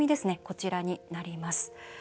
こちらになります。